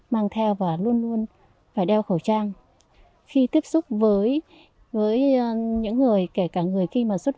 mang theo và luôn luôn phải đeo khẩu trang khi tiếp xúc với những người kể cả người khi mà xuất